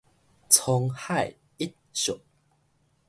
滄海一粟